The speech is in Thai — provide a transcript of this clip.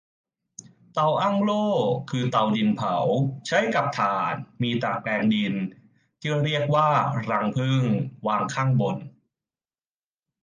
เตาอั้งโล่ คือเตาดินเผา ใช้กับถ่าน มีตะแกรงดินเอาที่เรียกว่ารังผึ้ง วางข้างบน